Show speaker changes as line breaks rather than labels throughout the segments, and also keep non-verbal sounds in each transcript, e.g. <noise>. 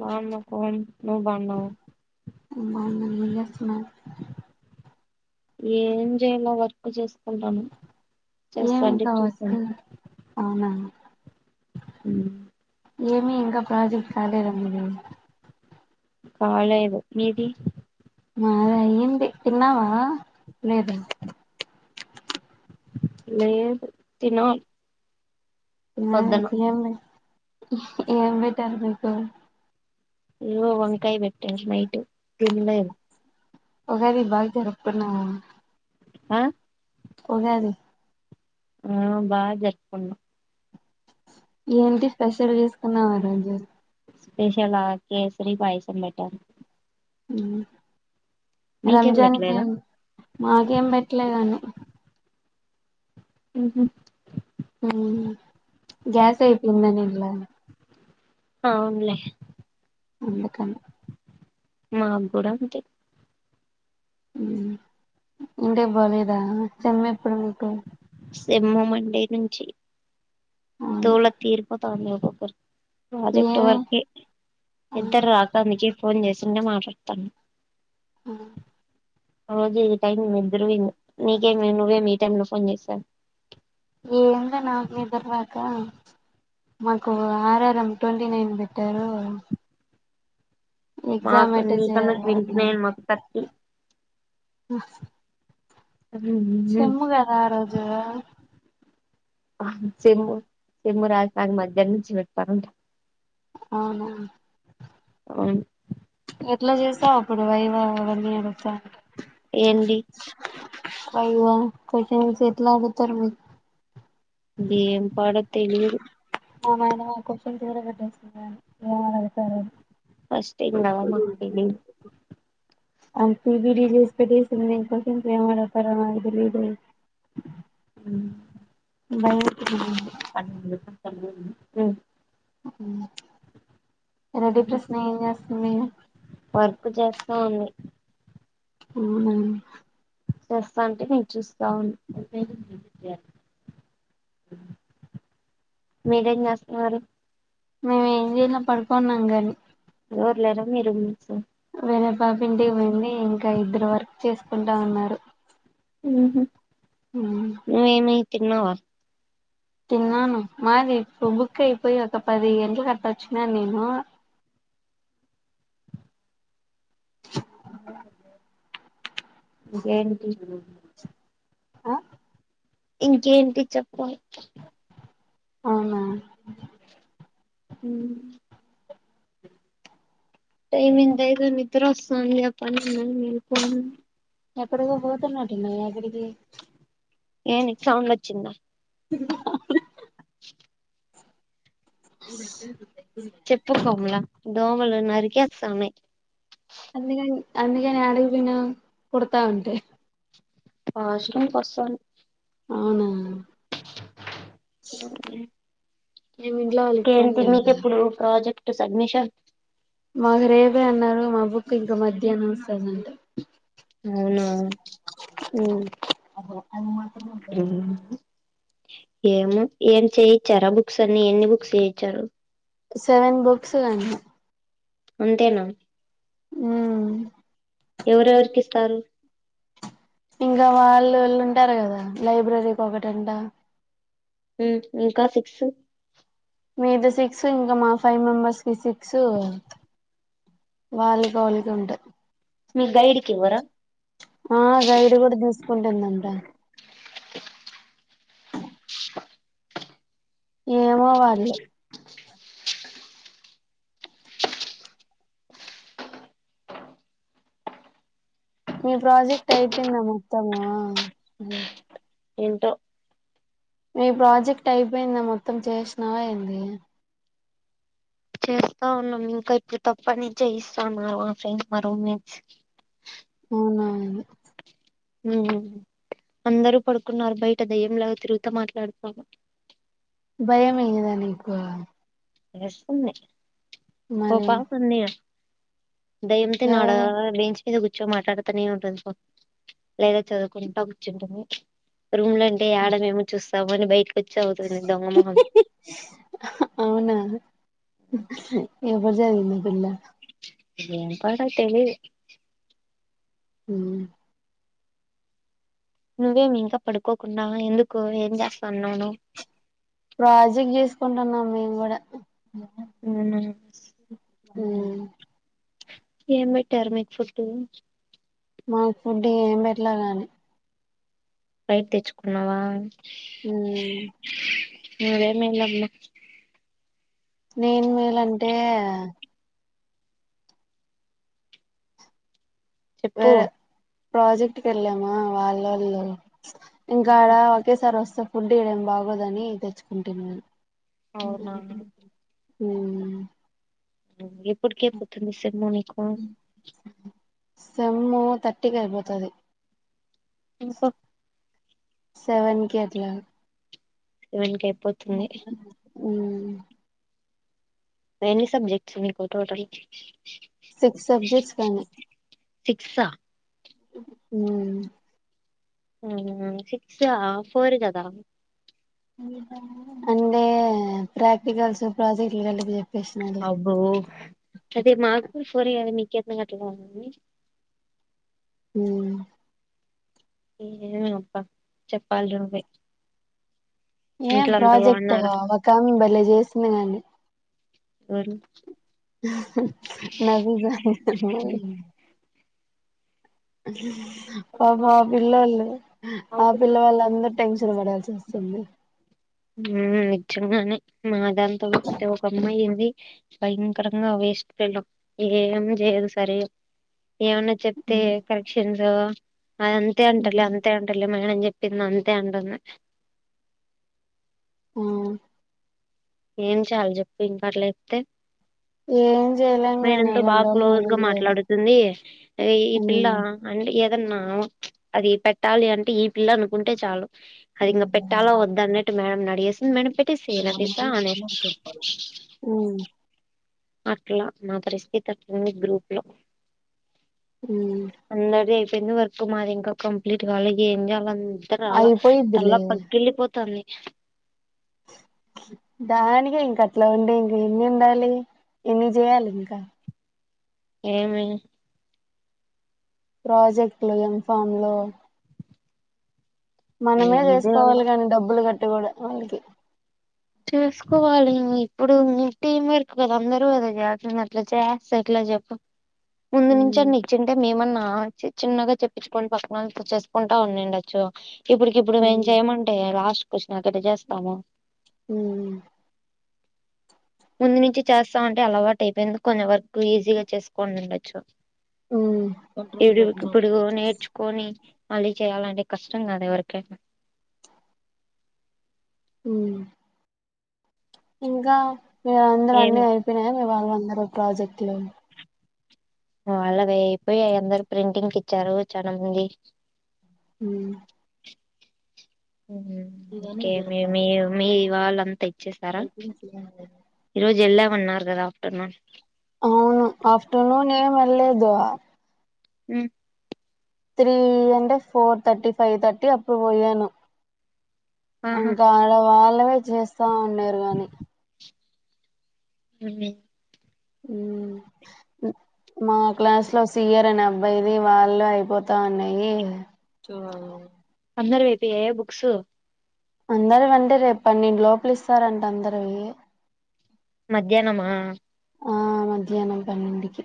బాగున్న నువ్వు బాగున్నావా
బాగున్నా ఏం చేస్తున్నావు
ఏం చేయలా వర్క్ చేసుకుంటన
ఏమి
చేస్తాండి
ఇంకా వర్క్
చూస్తాం
అవునా ఏమి ఇంకా ప్రాజెక్ట్ కాలేద మీది
కాలేదు మీది
మాది అయ్యింది తిన్నావా లేద
లేదు తినలీ
<unintelligible> ఏం పెట్టారు మీకు
వంకాయ పెట్టిరు నైటు తినలేదు
ఉగాది బాగా జరుపుకున్నావా
ఆ
<unintelligible>
ఆ బాగా జరుపుకున్నా
ఏంటి స్పెషల్ చేసుకున్నావ్ ఆ రోజు
స్పేషల్ ఆ కేసరి పాయసం పెట్టాను
హ్మ్
మీకేం
రంజాన్ కి
పెట్టలేదా
మాకేం పెట్టలేదండి
ఉహు
గ్యాస్ ఇయిపోంగ్ందనేే ఇలా
ఆ ఉనులే
అందుకని
మాబ్బడ ఉంట
ఇంటే బాలేదా చెమ్మ ఇప్పుడు మీకు
సింమమండడి నుంచి
అవునా
దూల తీరుపు తమి ఒక ప్రాజెక్ట్
ఏమి
వర్క్ ఇద్దరు
ఉమ్.
రాక అందుక ఫోన్ చేసిండే మాట్ పతను
అ
అదది టైం ఇద్దరుూ నీకేమ నువ్వేమి ఈ టైమ్ లో ఫోన్ చేసాను
ఏంద నానే తర్వాక మాకు ఆర్ఆర్ఎం ట్వంటీ నైన్ పెట్టారు ఎగ్జామ్
మాకు
అట్ట చే
నీకన్నా ట్వంటీ నైన్ మాకు థర్టీ
చెమ్ము కదా ఆ రోజు
చెమ్ముూ చెమ్ముూ రాజపాానికి మధ్యాహ్నం నుంచి పెట్టతనుంట
ఆఓ
అవు
ఎట్లా చేసావు అప్పుడు వైవవన్నీ అడుస్తా
ఏంటి
కై కస వ ఎలా అ త మీ
ఇ ఏం పాడ తెలిదు
మా మాలా కొవశ్చన్స్ కూడార పెట్టేస్తుంద ఏమ అడతారుని
ఫస్ట్ ఇంగ్ అ మది
అ పబడిజస్ పె కోసం ప్రే పరదు లేద భయమేస్తుంది
పన్న
అ రడ ప్రశ్న ఏం చేస్తు మీను
వర్క్ చేస్తా ఉంది
అ
చేస్తా అంటే నేను చూస్తా ఉను అ మీరేజ నస్తు
మేము ఏం చేయలే పడుకున్నాం
వెలార మీరు
వెనపాపి ఇంటికి వెంది ఇంకా ఇద్దరు వర్క్ చేసుకుంటా ఉన్నారు
ఉ
ఉమ్.
నువేన్తర్ నవవా
తిన్నాను మాది ఇప్పు బుక్యిపోయి ఒక పది ఎంట కరె వచ్చిన నేను
క
ఆ
ఇంకేంటి చెప్పాలి
అవునా
టై మీ ఎందాయి కా మీ త సంధ్య ప మీకు
ఎక్కడికో పోతున్నటున్నా ఎక్కడికి
ఏను సౌండ్ వచ్చిందా చెప్పుకోమ్లా దోవలు నరిక సమమె
అందు అందుక ఆడి పన్న కొడుతా ఉంటే
ఆస్ పసంద
అవునా
ఓకే
ఏమి ఇంట్లో వాళ్ళకి ఫోన్
ఏంటి మీకు
చేయలేదా
ఏప్పుడు ప్రాజెక్ట్ సబ్మిషన్
మాది రేపే అన్నాకథ మా బుక్ ఇంక మధ్యాహ్నం వస్తుందంటే
అవునా
ఉ
ఉ హు ఏమ ఏం చేయిచ్చారా బుక్స్ అన్ని ఎన్ని బుక్స్ చేయిచ్చారు
సెవెన్ బుక్స్ అండి
అంతేనా
ఉ
ఎవరెవరికి ఇస్తారు
ఇంకా వాళ్ళుళ్ళు ఉంటారు కదా లైబ్రరీకి ఒకటంట
ఇంకా సిక్స్
మీద సిక్స్ ఇంకా మా ఫైవ్ మెంబర్స్ కి సిక్స్ వాళ్లది వాళ్లకు ఉంటది
మీరు గైడ్ కు ఇవ్వరా
ఆ గైడ్ కూడా తీూసుకుంటుందంట ఏమో వాళ్ళు
ఇచ్చి
మీ ప్రాజెక్ట్ అయిపోయిందా మొత్తము
ఏంటో
మీ ప్రాజెక్ట్ అయిపోయింద మొత్తం చేసినావా ఏంది
చేస్తా ఉన్నా ఇంకా ఇప్పుడు తప్ప నుంచి ఇస్తాన్నారు ఆ ఫ్రెండ్ మా రూమ్ మెడుసు
అవునా
ఉ హ అందరూ పడుకున్నారు బయట దయ్యంలా తిరుగుత మాట్లాడుతాన
భయంమఏయినదా నీకు
వేస్తుంది ఓ
మరి
పాప ఉంది కదా రేవతి ని
ఎవరు
అడగాలా బీచ్ ఇది కూర్చో మాట్లాడుతానే ఉంటదు లేదా చదువుకుంటా కూర్చుంటుంది రూమ్ లో అంటే ఆడ ఏమో చూస్తాము అని బయట వచ్చవుతుంది దొంగమహం
రేపటి చదివింది పిల్ల
ఏం పాట తెలియదు
ఉ
నువ్వేమి ఇంకా పడుకోకుండా ఎందుకు ఏం చేస్తా అన్నాను
ప్రాజెక్ట్ చేసుకుంటున్నాం మేము కూడా
ఊ
ఉ
ఏం పెట్టరు మీక్ ఫుడ్
మాకు ఫుడ్ ఏం పెట్లా దండి
బయట తెచ్చుకున్నావా హలో ఏమైంది అమ్మ
నేను మేలంటే
చెప్పు
వేరే ప్రాజెక్ట్ క వెళ్ళామా వాళ్ళ వాళ్ళు ఇంకాడా ఒకేసారి వస్తా ఫుడ్డు ఈడేం బాగోదని తెచ్చుకుంటును నేను
అవునా
ఉ హు
ఎప్పటికీ అయిపోతుంది సార్ మీకు
సెమ్ము తట్టికి అయిపోతుంది
ఇంకా
సెవెన్ క అట్లా
<unintelligible>
ఉ
ఎనీ సబ్జెక్ట్స్ మీకు టోటల్
సిక్స్ సబ్జెక్ట్స్ కాగానీ
సిక్సా
ఉ
సిక్స్ ఫోర్ కదా
అంటే ప్రాక్టికల్స్ ప్రాజెక్ట్లు కలిపి చెప్పేసినాలే
అబ్బో అదే మాకు కొరాల మీకు ఎతున గట్టలా <unintelligible>
ఉ
ఏ అప్పా చెప్పాలి నువ్వే
ఏం
ఇంట్లో అంతా
ప్రాజెక్ట్
బాగున్నారా
ఒక ఆమె బలే చేసింది కాని
<unintelligible>
నావి <inaudible> పాప ఆ పిల్లలు ఆ పిల్లవాళ్ళ అందరు టెన్షన్ పడాల్సి సే <unintelligible>
నిజంగానే మాతో వెతే ఒక అమ్మాయి ఉంధి భయంకరంగా అవే ఇష్టలో ఏమన్నా చేయదు సరే ఏమన్నా చెప్తే కరెక్షన్స్ అ అంతే అంటాల అంతే అంటారు మేడం చెప్పింద అంతే అంటన్న
ఆ
ఎమ్ చెయాలి చెప్పు ఇంకా అట్లా చెప్తే
ఏం చేయలేం గాని
మేడంతో బాగా
అలాంటోళ్ళని
క్లోజ్ గా
వదిలేయాలి
మాట్లాడుతుంది ఈ పిల్ల
ఉమ్
అంటే అదన్నా అది పెట్టాలి అంటే ఈ పిల్ల అనుకుంటే చాలు అది ఇంకా పెట్టా వద్ద అన్నట్టు మేడం అడిగేసింది మేడం పెట్టేసి
ఉ
అట్లా మా పరిస్థితి అట్లంది గ్రూప్ లో
ఉ
పెందు వరకు మాది ఇంకా కంప్లీట్గా అలాగ ఏం చేయాలి అందరు అలా తల్లా
అయిపోయిద్దిలే
పగ్గిలిపోతుంది ఇ
<inaudible> దానికే ఇంక అట్లా ఉండి ఇంక ఎన్ని ఉండాలి ఎన్ని చేయాలి ఇంకా
ఏమి
ప్రాజెక్టులు ఎంఫామ్ లో మనమే
ఏం చేయాలో
చేసుకోవాలి కానీ డబ్బులు కట్టి కూడా వాళ్ళకి
చేసుకోవాలి ఇప్పుడు టీం వర్క్ కదా అందరుూ కదా చేస్తుంది అట్లా చేస్తా అట్లా చెప్పు ముంధు నించి
ఉమ్
అన్నా ఇచింతే మేమన్నా ఆ చిన్నగా చెప్పుకోని పక్కన చేసుకుంటా ఉన్నిందచ్చు ఇప్పుడికప్పుడు మేం
ఉమ్
చేయమంటే లాస్ట్ క్వశ్చన్ ఎట్లా చేస్తాము
<inaudible>
ముందు నుంచి చేస్తామంటే అలవాటు అయిపోయింది కొవరకు ఈజీగా చేసుకోని ఉండొచ్చు
ఉమ్
ఎప్పుడుప్పుడు నేర్చుకోని మళ్ళీ చేయాలంటే కష్టం కాదా ఎవరికైనా
ఉ ఇంకా మీ అందరు అన్ని
ఏమి
అయిపోయినాయా మీ వాళ్ళుందరుూ ప్రాజెక్ట్లు
వాళ్ళవి అయిపోయి అందరుూ ప్రింటింగ్ ఇచ్చారు చాలా మంది
ఉ హు ఇవేనే
కే మీ
జరపా
మీ మీవాళ్ళ అంతా వచ్చసారా
రైటింగ్ చేయాలి
ఈ రోజు వెళ్ళామన్నారు కదా ఆఫ్టర్నూన్
అవును ఆఫ్టర్నూన్ ఏం వెళ్లేదు
అమ్
త్రీ అంటే ఫోర్ థర్టీ ఫైవ్ థర్టీ అప్పుడు పోయాను
ఆహా
ఇంకా ఆడవాళ్ళవే చేస్తా ఉండారు కాగానీ
అ
ఉ మా క్లాస్ లో సయర్ అనే అబ్బాయిది వాళ్ళు అయిపోతా ఉన్నాయి స
అందరు అైపో్యాయా బుక్స్
అందర అండి రేపు పన్నెండు లోపలి ఇస్తారంటే అందరవి
మధ్యాహ్నమా
ఆ మధ్యాహ్నం పన్నెంటికి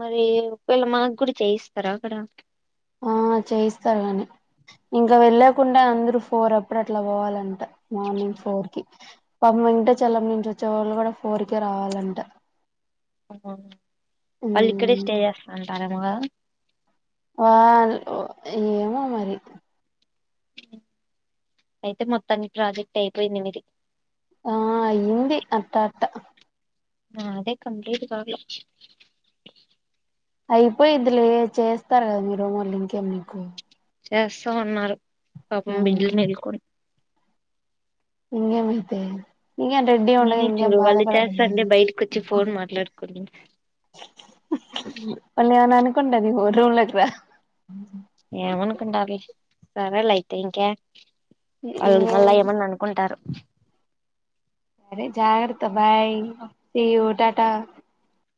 మరి ఒకవేళ్ళ మాకు గు చేయిస్తారుా అక్కడ
ఆ చేయిస్తారు కానీ ఇంకా వెళ్లేకుండా అందరుూ ఫోర్ ఎప్పుడు అట్లా పోవాలంట మార్నింగ్ ఫోర్ కి పా ఇంట చల్లం నుంచి వచ్చే వాళ్ళు కూడా ఫోర్ కి రావాలంట
వాళ్ళు ఇక్కడే
మ్మ్
స్టే చేస్తాంటారాకా
వా ఏమో మరి
అయితే మొత్తాన్ని ప్రాజెక్ట్ అయిపోయిందిమిది
ఆ హిందీ అట్ట అట్ట
ఆ అదే కంప్లీట్ కా
అయిపోయి ఇందులో చేస్తారు కదా మీరు మళ్ళీ ఇంకేం నీకు
చేస్తామన్నారు పాపం
ఆ
బిడ్లు మలుకొని
ఇంగేమ అైతే ఇ రెడ్ీ ఉండ
నేనే
ఇం
చూడు
బాధ
వాళ్ళు
పడ పో
చేస్తాంటే బయటకు వచ్చి ఫోన్ మాట్లాడుకుని
మళ్ళీ అను అనుకుంటది ఊ రూమ్లక్క
ఏమ అన్కండా అి సరాల అయితే ఇంకాే వాళ్ళు మళ్ళా ఏమని అనుకుంటారు
అరే జగత బాయ్ సి్య టాటా